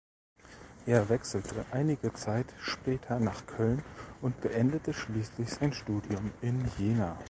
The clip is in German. Er wechselte einige Zeit später nach Köln und beendete schließlich sein Studium in Jena.